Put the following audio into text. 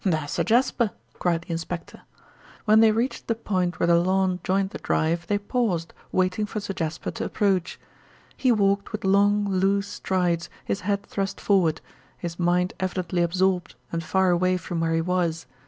"There's Sir Jasper," cried the inspector. When they reached the point where the lawn joined the drive they paused, waiting for Sir Jasper to approach. He walked with long, loose strides, his head thrust forward, his mind evidently absorbed and far away from where he was.